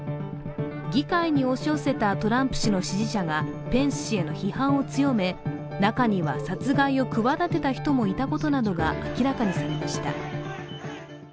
議会に押し寄せたトランプ氏の支持者がペンス氏への批判を強め、中には殺害を企てた人もいたことなどが明らかにされました。